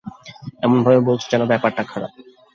এমনভাবে বলছ যেন ব্যাপারটা খারাপ।